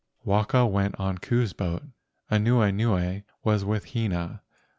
Waka went on Ku's boat, Anuenue was with Hina.